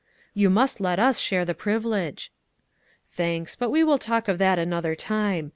"You must let us share the privilege." "Thanks; but we will talk of that at another time.